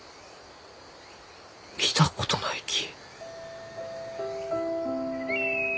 見たことないき。